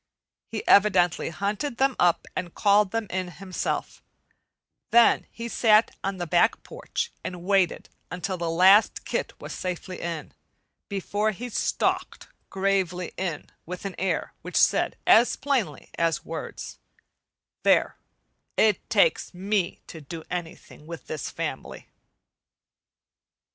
He evidently hunted them up and called them in himself; then he sat on the back porch and waited until the last kit was safely in, before he stalked gravely in with an air which said as plainly as words: "There, it takes me to do anything with this family."